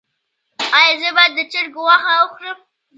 ایا زه باید د چرګ غوښه وخورم؟